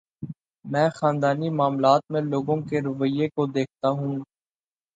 میں خاندانی معاملات میں لوگوں کے رویے کو دیکھتا ہوں۔